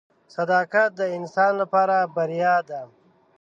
• صداقت د انسان لپاره بریا ده.